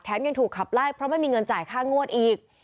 ยังถูกขับไล่เพราะไม่มีเงินจ่ายค่างวดอีก